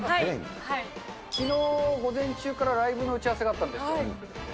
きのう午前中からライブの打ち合わせがあったんです。